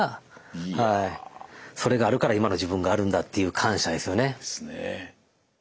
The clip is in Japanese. それがあるから今の自分があるんだっていう感謝ですよね。